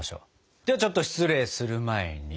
ではちょっと失礼する前に。